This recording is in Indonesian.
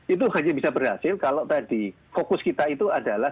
itu hanya bisa berhasil kalau tadi fokus kita itu adalah